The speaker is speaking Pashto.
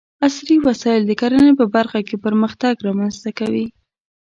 عصري وسايل د کرنې په برخه کې پرمختګ رامنځته کوي.